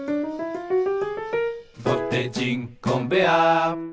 「ぼてじんコンベアー」